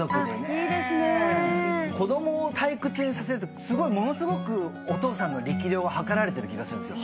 子供を退屈にさせるとものすごくお父さんの力量がはかられてる気がするんですよ。